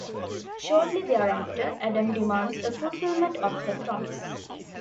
Shortly thereafter, Adam demands a fulfillment of her promise.